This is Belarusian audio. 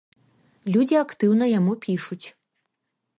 Людзі актыўна яму пішуць.